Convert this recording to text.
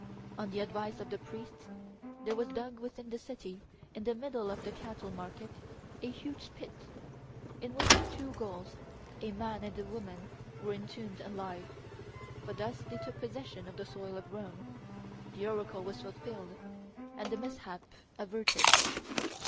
On the advice of the priests, there was dug within the city, in the middle of the cattle market, a huge pit, in which two Gauls, a man and a woman, were entombed alive; for thus they took possession of the soil of Rome, the oracle was fulfilled, and the mishap averted.